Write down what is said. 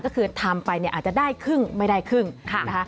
ก็คือทำไปเนี่ยอาจจะได้ครึ่งไม่ได้ครึ่งนะคะ